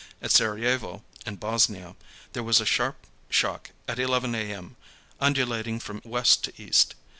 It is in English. At Sarayevo, in Bosnia, there was a sharp shock at 11 A. M., undulating from west to east.